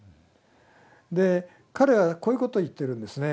で彼はこういうことを言ってるんですね